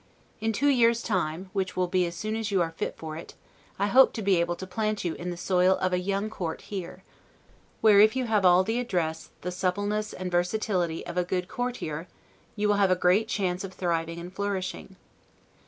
In two years' time, which will be as soon as you are fit for it, I hope to be able to plant you in the soil of a YOUNG COURT here: where, if you have all the address, the suppleness and versatility of a good courtier, you will have a great chance of thriving and flourishing.